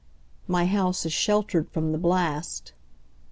My house is sheltered from the blast.